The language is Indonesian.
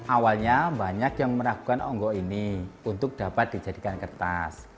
awalnya banyak yang meragukan onggok ini untuk dapat dijadikan kertas